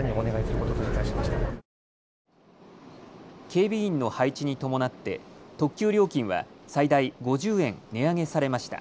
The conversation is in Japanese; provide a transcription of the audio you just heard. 警備員の配置に伴って特急料金は最大５０円値上げされました。